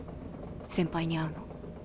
先輩に会うの。